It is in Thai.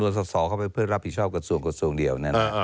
สอสอเข้าไปเพื่อรับผิดชอบกระทรวงกระทรวงเดียว